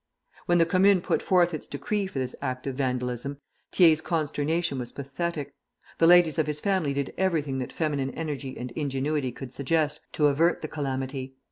When the Commune put forth its decree for this act of vandalism, Thiers' consternation was pathetic. The ladies of his family did everything that feminine energy and ingenuity could suggest to avert the calamity.